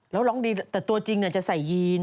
แล้วร้องดีแต่ตัวจริงจะใส่ยีน